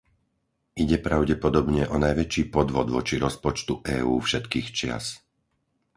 Ide pravdepodobne o najväčší podvod voči rozpočtu EÚ všetkých čias.